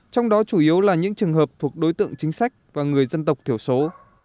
trong đó chủ yếu là những trường hợp thuộc đối tượng chính sách và người dân tộc thiểu số